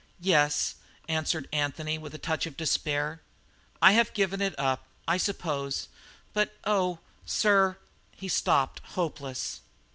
"Yes," answered Anthony, with a touch of despair, "I have given it up, I suppose. But, oh, sir " He stopped, hopeless.